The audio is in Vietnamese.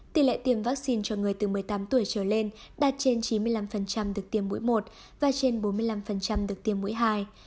tỷ lệ tiêm vaccine cho người từ một mươi tám tuổi trở lên đạt trên chín mươi năm được tiêm mũi một và trên bốn mươi năm được tiêm mũi hai